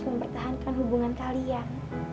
mempertahankan hubungan kalian